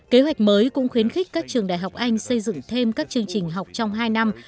kế hoạch mới cũng khuyến khích các trường đại học anh xây dựng thêm các chương trình học trong hai năm